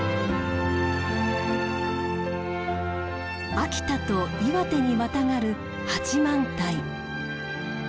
秋田と岩手にまたがる八幡平。